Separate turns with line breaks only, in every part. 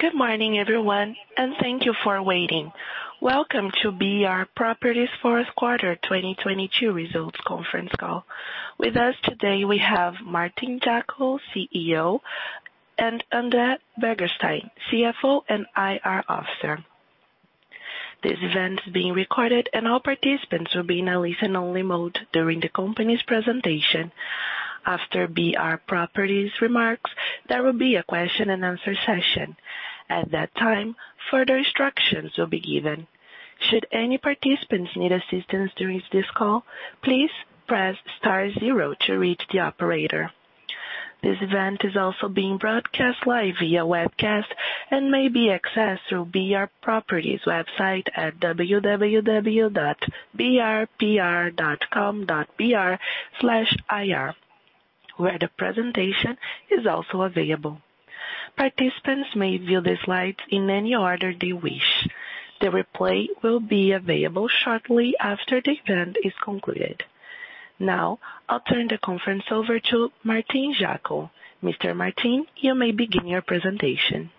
Good morning, everyone, and thank you for waiting. Welcome to BR Properties 4th quarter 2022 results conference call. With us today we have Martín Jaco, CEO, and André Bergstein, CFO and IR Officer. This event is being recorded, and all participants will be in a listen only mode during the company's presentation. After BR Properties remarks, there will be a question and answer session. At that time, further instructions will be given. Should any participants need assistance during this call, please press star zero to reach the operator. This event is also being broadcast live via webcast and may be accessed through BR Properties' website at www.brpr.com.br/ir, where the presentation is also available. Participants may view the slides in any order they wish. The replay will be available shortly after the event is concluded. I'll turn the conference over to Martín Jaco. Mr. Martín, you may begin your presentation.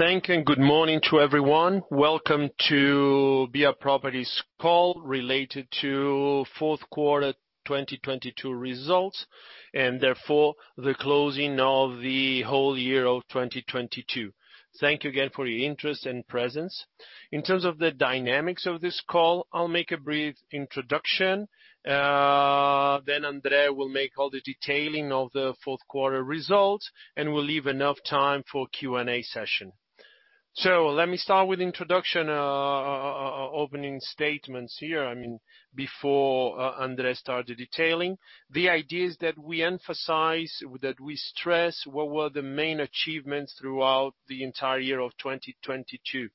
Thank and good morning to everyone. Welcome to BR Properties call related to fourth-quarter 2022 results, and therefore the closing of the whole year of 2022. Thank you again for your interest and presence. In terms of the dynamics of this call, I'll make a brief introduction, then André will make all the detailing of the fourth quarter results, and we'll leave enough time for Q&A session. Let me start with introduction, opening statements here, I mean, before André start the detailing. The idea is that we emphasize, that we stress what were the main achievements throughout the entire year of 2022.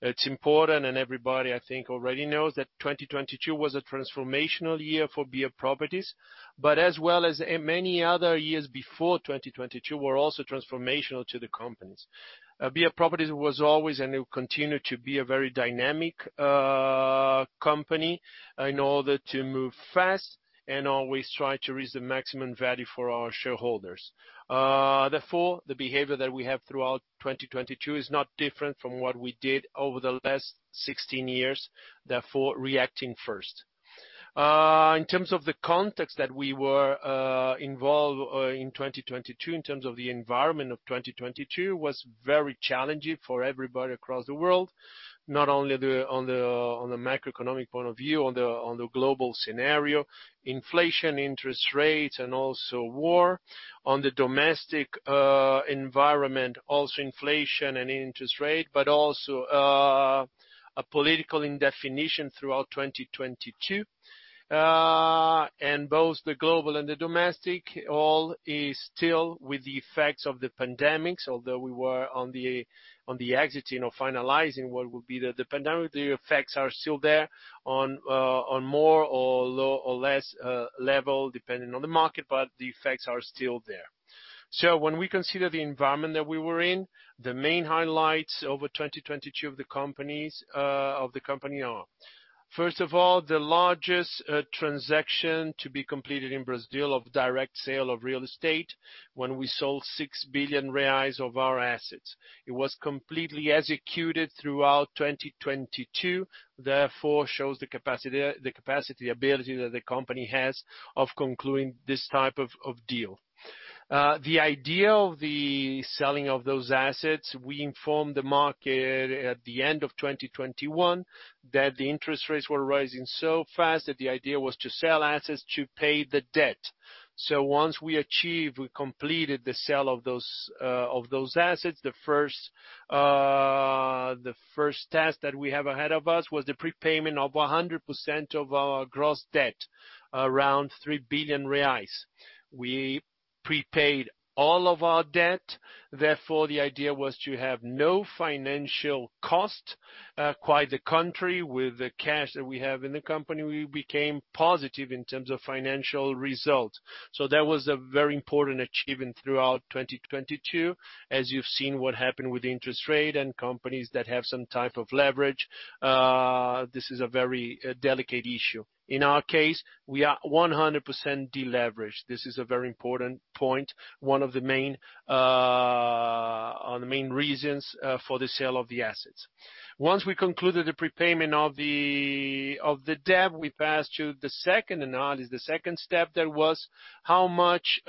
It's important, and everybody, I think, already knows that 2022 was a transformational year for BR Properties, but as well as a many other years before 2022 were also transformational to the companies. BR Properties was always and will continue to be a very dynamic company in order to move fast and always try to raise the maximum value for our shareholders. Therefore, the behavior that we have throughout 2022 is not different from what we did over the last 16 years, therefore reacting first. In terms of the context that we were involved in 2022, in terms of the environment of 2022 was very challenging for everybody across the world. Not only on the macroeconomic point of view, on the global scenario, inflation, interest rates and also war. On the domestic environment, also inflation and interest rate, but also a political indefinition throughout 2022. Both the global and the domestic all is still with the effects of the pandemics. We were on the exiting or finalizing what would be the pandemic, the effects are still there on more or less level depending on the market. The effects are still there. When we consider the environment that we were in, the main highlights over 2022 of the company are, first of all, the largest transaction to be completed in Brazil of direct sale of real estate when we sold 6 billion reais of our assets. It was completely executed throughout 2022, therefore shows the capacity, ability that the company has of concluding this type of deal. The idea of the selling of those assets, we informed the market at the end of 2021 that the interest rates were rising so fast that the idea was to sell assets to pay the debt. Once we achieved, we completed the sale of those of those assets, the first the first task that we have ahead of us was the prepayment of 100% of our gross debt, around 3 billion reais. We prepaid all of our debt, therefore, the idea was to have no financial cost. Quite the contrary, with the cash that we have in the company, we became positive in terms of financial results. That was a very important achievement throughout 2022. As you've seen what happened with interest rate and companies that have some type of leverage, this is a very delicate issue. In our case, we are 100% deleveraged. This is a very important point. One of the main reasons for the sale of the assets. Once we concluded the prepayment of the debt, we passed to the second step that was how much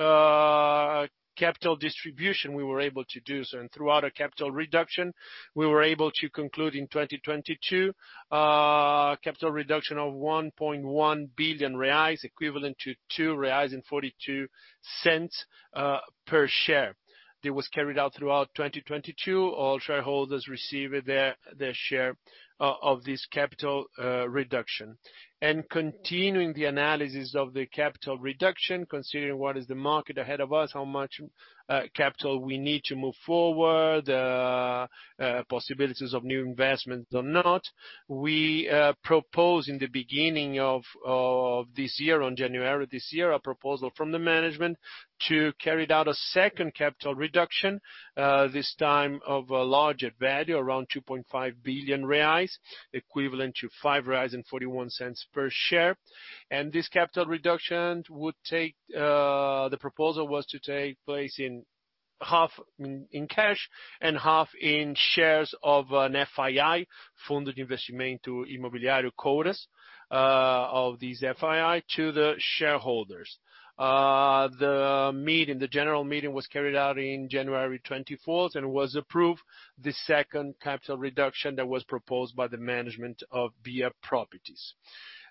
capital distribution we were able to do. Throughout our capital reduction, we were able to conclude in 2022 a capital reduction of 1.1 billion reais, equivalent to 2.42 reais per share. That was carried out throughout 2022. All shareholders received their share of this capital reduction. Continuing the analysis of the capital reduction, considering what is the market ahead of us, how much capital we need to move forward, possibilities of new investments or not, we propose in the beginning of this year, on January 2023, a proposal from the management to carry out a second capital reduction, this time of a larger value, around 2.5 billion reais, equivalent to 5.41 reais per share. This capital reduction would take, the proposal was to take place half in cash and half in shares of an FII, Fundo de Investimento Imobiliário quotas, of these FII to the shareholders. The meeting, the general meeting was carried out in January 24th and was approved the second capital reduction that was proposed by the management of BR Properties.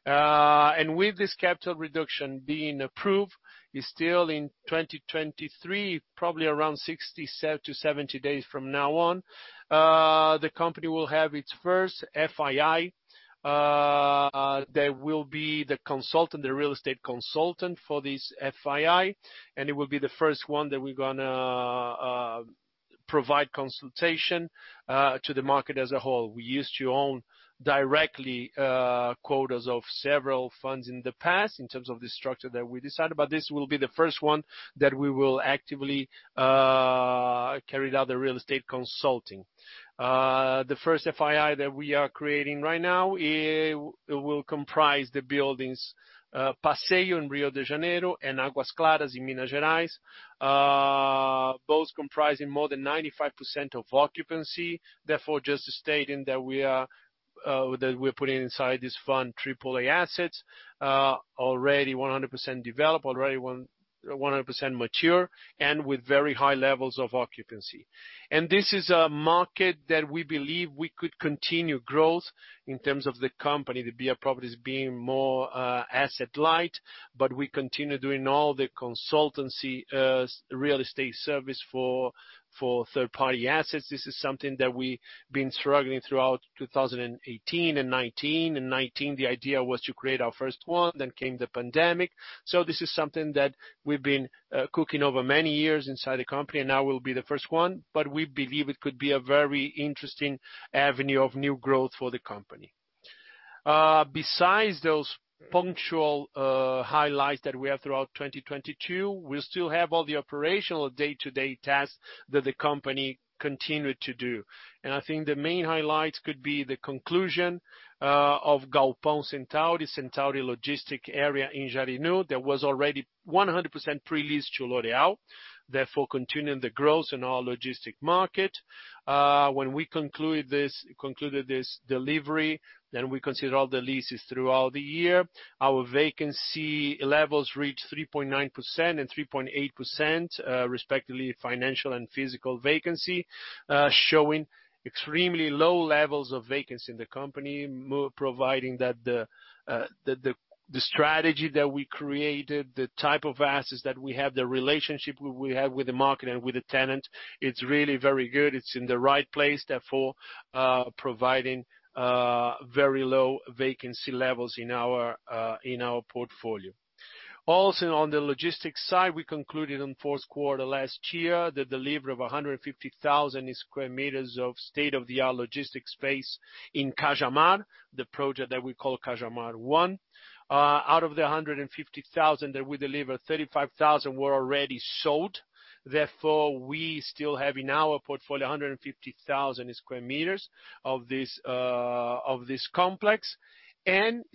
With this capital reduction being approved, it's still in 2023, probably around 60-70 days from now on, the company will have its first FII that will be the consultant, the real estate consultant for this FII, and it will be the first one that we're gonna provide consultation to the market as a whole. We used to own directly quotas of several funds in the past in terms of the structure that we decided. This will be the first one that we will actively carry out the real estate consulting. The first FII that we are creating right now, it will comprise the buildings Passeio in Rio de Janeiro and Águas Claras in Minas Gerais, both comprising more than 95% of occupancy. Therefore, just stating that we are that we're putting inside this fund AAA assets, already 100% developed, already 100% mature, and with very high levels of occupancy. This is a market that we believe we could continue growth in terms of the company, the BR Properties being more asset light, but we continue doing all the consultancy real estate service for third-party assets. This is something that we've been struggling throughout 2018 and 2019. In 2019, the idea was to create our first one, then came the pandemic. This is something that we've been cooking over many years inside the company, and now we'll be the first one, but we believe it could be a very interesting avenue of new growth for the company. Besides those punctual highlights that we have throughout 2022, we still have all the operational day-to-day tasks that the company continued to do. I think the main highlights could be the conclusion of Galpão Centauro, the Centauro logistic area in Jarinu that was already 100% pre-leased to L'Oréal, therefore continuing the growth in our logistic market. When we concluded this delivery, we consider all the leases throughout the year. Our vacancy levels reached 3.9% and 3.8%, respectively, financial and physical vacancy, showing extremely low levels of vacancy in the company, providing that the strategy that we created, the type of assets that we have, the relationship we have with the market and with the tenant, it's really very good. It's in the right place, therefore, providing very low vacancy levels in our in our portfolio. On the logistics side, we concluded on fourth quarter last year the delivery of 150,000 sq m of state-of-the-art logistics space in Cajamar, the project that we call Cajamar One. Out of the 150,000 that we delivered, 35,000 were already sold. We still have in our portfolio 150,000 sq m of this of this complex.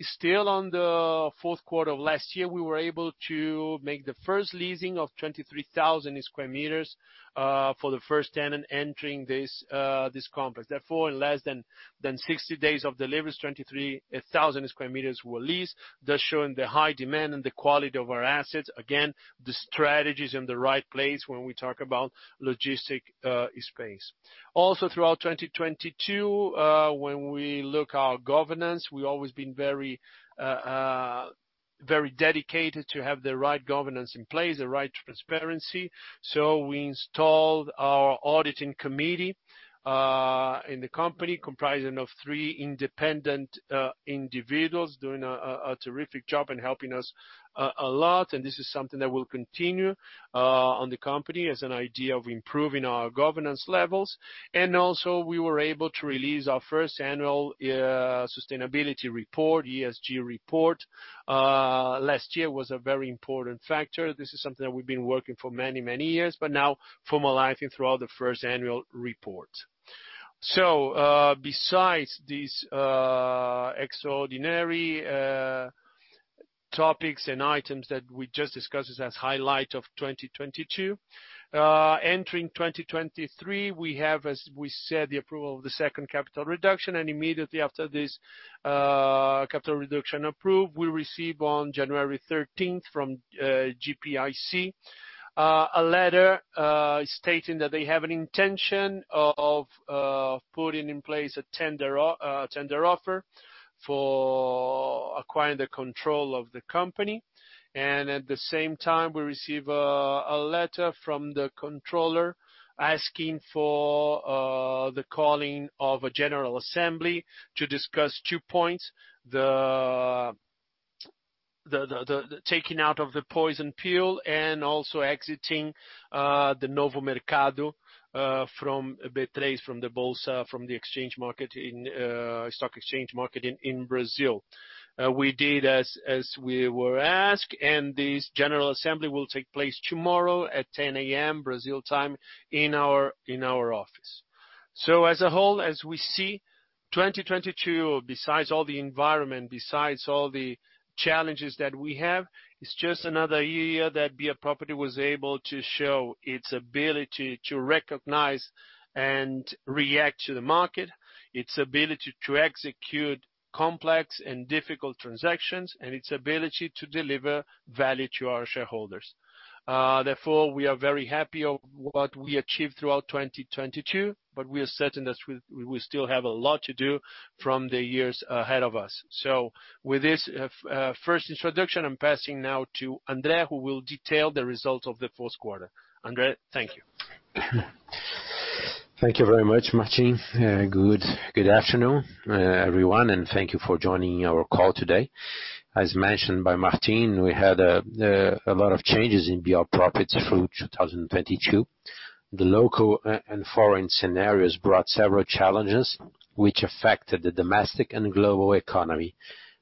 Still on the fourth quarter of last year, we were able to make the first leasing of 23,000 sq m for the first tenant entering this complex. In less than 60 days of deliveries, 23,000 sq m were leased, thus showing the high demand and the quality of our assets. Again, the strategy is in the right place when we talk about logistic space. Also throughout 2022, when we look our governance, we always been very dedicated to have the right governance in place, the right transparency. We installed our auditing committee in the company comprising of three independent individuals doing a terrific job and helping us a lot, and this is something that will continue on the company as an idea of improving our governance levels. We were able to release our first annual sustainability report, ESG report. Last year was a very important factor. This is something that we've been working for many, many years, but now formalizing throughout the first annual report. Besides these extraordinary topics and items that we just discussed as highlight of 2022, entering 2023, we have, as we said, the approval of the second capital reduction, and immediately after this capital reduction approved, we receive on January 13th from GPIC a letter stating that they have an intention of putting in place a tender offer for acquiring the control of the company. At the same time, we receive a letter from the controller asking for the calling of a general assembly to discuss two points, the taking out of the poison pill and also exiting the Novo Mercado from B3, from the Bolsa, from the exchange market in stock exchange market in Brazil. We did as we were asked, and this general assembly will take place tomorrow at 10:00 A.M. Brazil time in our office. As a whole, as we see 2022, besides all the environment, besides all the challenges that we have, it's just another year that BR Properties was able to show its ability to recognize and react to the market, its ability to execute complex and difficult transactions, and its ability to deliver value to our shareholders. Therefore, we are very happy of what we achieved throughout 2022, we are certain that we still have a lot to do from the years ahead of us. With this first introduction, I'm passing now to André, who will detail the results of the fourth quarter. André, thank you.
Thank you very much, Martín. Good afternoon, everyone, and thank you for joining our call today. As mentioned by Martín, we had a lot of changes in BR Properties through 2022. The local and foreign scenarios brought several challenges which affected the domestic and global economy,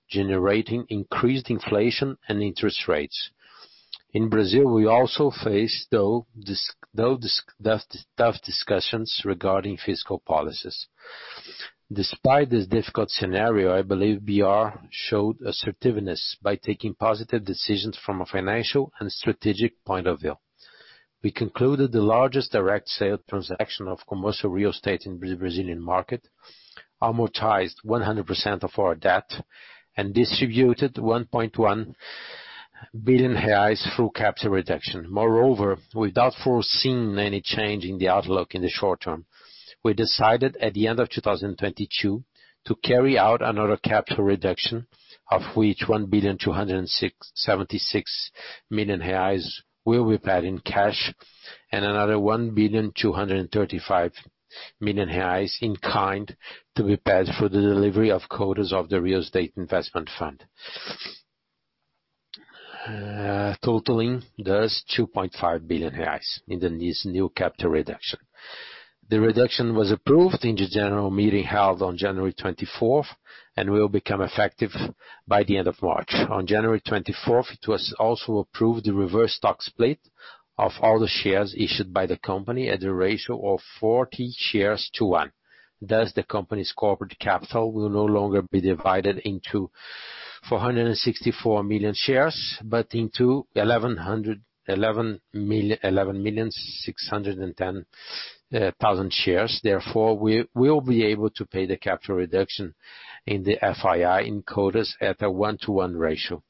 generating increased inflation and interest rates. In Brazil, we also faced tough discussions regarding fiscal policies. Despite this difficult scenario, I believe BR showed assertiveness by taking positive decisions from a financial and strategic point of view. We concluded the largest direct sale transaction of commercial real estate in Brazilian market, amortized 100% of our debt, and distributed 1.1 billion reais through capital reduction. Moreover, without foreseeing any change in the outlook in the short term, we decided at the end of 2022 to carry out another capital reduction, of which 1.276 billion will be paid in cash and another 1.235 billion in kind to be paid for the delivery of quotas of the real estate investment fund. Totaling, thus, 2.5 billion reais in the new capital reduction. The reduction was approved in the general meeting held on January 24th and will become effective by the end of March. On January 24th, it was also approved the reverse stock split of all the shares issued by the company at a ratio of 40 shares to 1. The company's corporate capital will no longer be divided into 464 million shares, but into 11 million 610 thousand shares. We will be able to pay the capital reduction in the FII in quotas at a one-to-one ratio.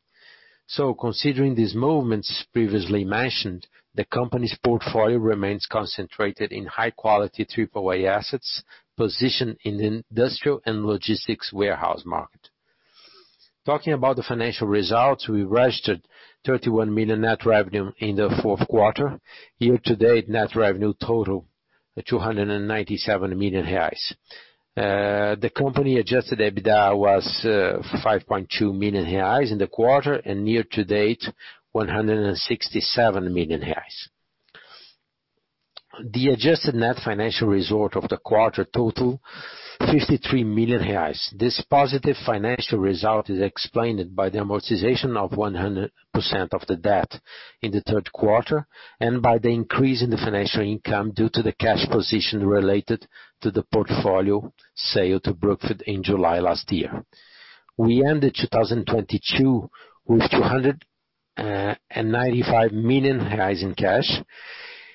Considering these movements previously mentioned, the company's portfolio remains concentrated in high-quality AAA assets positioned in the industrial and logistics warehouse market. Talking about the financial results, we registered 31 million net revenue in the fourth quarter. Year to date, net revenue total, 297 million reais. The company adjusted EBITDA was 5.2 million reais in the quarter, and year-to-date, 167 million reais. The adjusted net financial result of the quarter total, 53 million reais. This positive financial result is explained by the amortization of 100% of the debt in the third quarter and by the increase in the financial income due to the cash position related to the portfolio sale to Brookfield in July last year. We ended 2022 with 295 million in cash.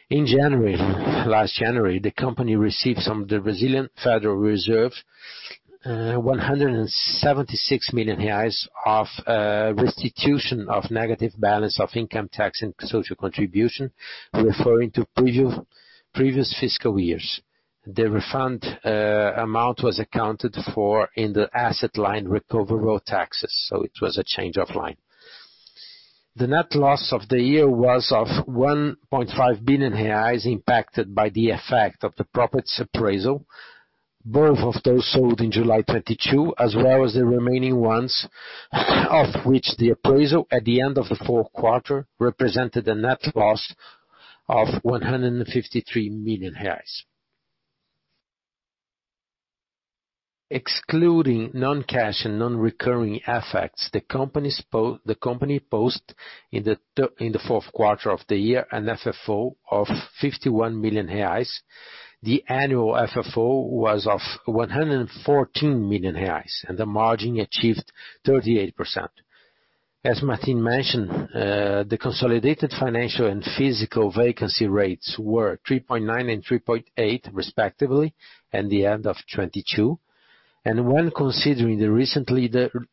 In January, last January, the company received from the Brazilian Federal Reserve 176 million reais of restitution of negative balance of income tax and social contribution, referring to previous fiscal years. The refund amount was accounted for in the asset line recovery taxes, so it was a change of line. The net loss of the year was of 1.5 billion reais impacted by the effect of the property's appraisal, both of those sold in July 2022, as well as the remaining ones, of which the appraisal at the end of the fourth quarter represented a net loss of 153 million reais. Excluding non-cash and non-recurring effects, the company post in the fourth quarter of the year an FFO of 51 million reais. The annual FFO was of 114 million reais, and the margin achieved 38%. As Martín mentioned, the consolidated financial and physical vacancy rates were 3.9 and 3.8 respectively at the end of 2022. When considering the recent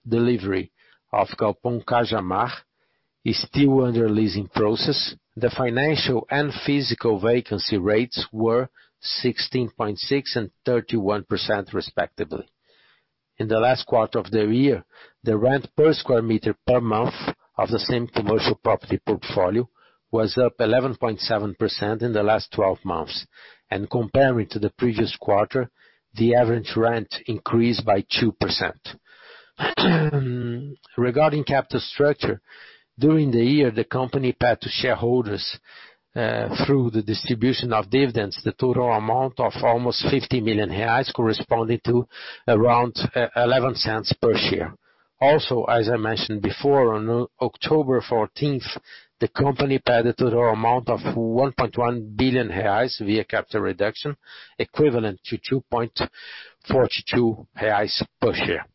delivery of Cajamar One is still under leasing process, the financial and physical vacancy rates were 16.6% and 31% respectively. In the last quarter of the year, the rent per square meter per month of the same commercial property portfolio was up 11.7% in the last 12 months. Comparing to the previous quarter, the average rent increased by 2%. Regarding capital structure, during the year, the company paid to shareholders, through the distribution of dividends, the total amount of almost 50 million reais corresponding to around 0.11 per share. As I mentioned before, on October 14th, the company paid a total amount of 1.1 billion reais via capital reduction, equivalent to 2.42 reais per share.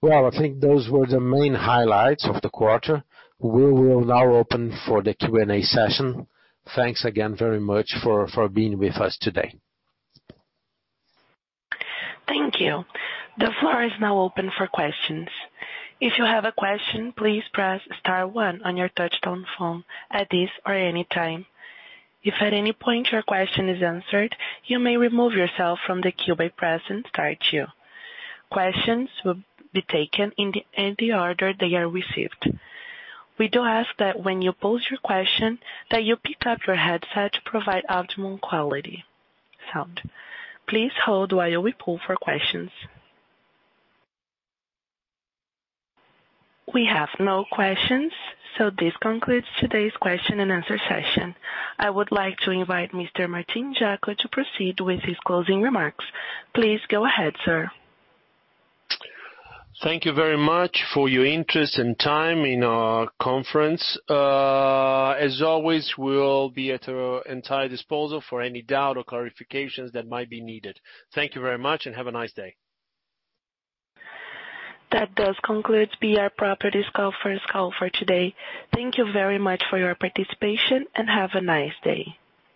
Well, I think those were the main highlights of the quarter. We will now open for the Q&A session. Thanks again very much for being with us today.
Thank you. The floor is now open for questions. If you have a question, please press star one on your touchtone phone at this or any time. If at any point your question is answered, you may remove yourself from the queue by pressing star two. Questions will be taken in the order they are received. We do ask that when you pose your question that you pick up your headset to provide optimal quality sound. Please hold while we poll for questions. We have no questions, so this concludes today's question and answer session. I would like to invite Mr. Martín Jaco to proceed with his closing remarks. Please go ahead, sir.
Thank you very much for your interest and time in our conference. As always, we'll be at your entire disposal for any doubt or clarifications that might be needed. Thank you very much and have a nice day.
That does conclude BR Properties' conference call for today. Thank you very much for your participation, and have a nice day.